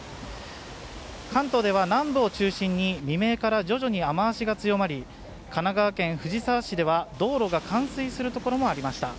関東では南部を中心に未明から徐々に雨足が強まり、神奈川県藤沢市では道路が冠水する所もありました。